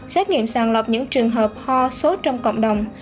xét nghiệm sàng lọc những trường hợp ho sốt trong cộng đồng